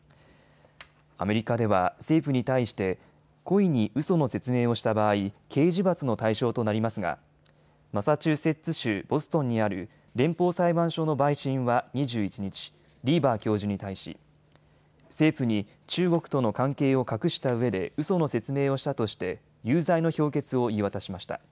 アメリカでは政府に対して故意にうその説明をした場合、刑事罰の対象となりますがマサチューセッツ州ボストンにある連邦裁判所の陪審は２１日、リーバー教授に対し、政府に中国との関係を隠したうえでうその説明をしたとして有罪の評決を言い渡しました。